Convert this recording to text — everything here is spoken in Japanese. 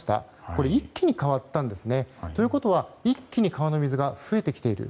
これ一気に変わったんですね。ということは一気に川の水が増えてきている。